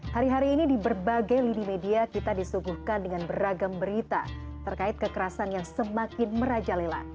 hari hari ini di berbagai lini media kita disuguhkan dengan beragam berita terkait kekerasan yang semakin merajalela